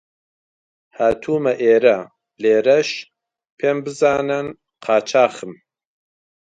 هاتوومە ئێرە، لێرەش پێم بزانن قاچاغم